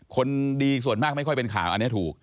คนดีส่วนมากไม่ค่อยเป็นข่าวอันนี้ถูก